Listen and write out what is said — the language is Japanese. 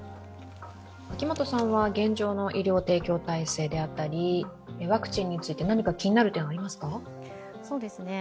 秋元さんは現状の医療提供体制であったりワクチンについて、何か気になる点はありますか。